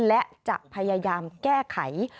และจะพยายามแก้ไข